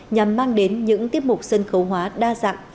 nhằm mang đến những tiếp mục sân khấu hóa